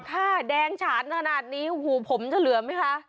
ค่ะแดงฉานขนาดนี้โอ้โหผมจะเหลือไหมคะ